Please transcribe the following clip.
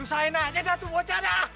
usahain aja dah tuh bocah ada